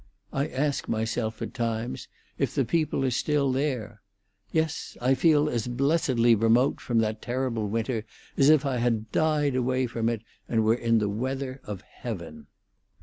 I ask myself at times if the people are still there. Yes, I feel as blessedly remote from that terrible winter as if I had died away from it, and were in the weather of heaven."